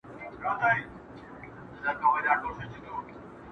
لیکل سوي ټول د ميني افسانې دي.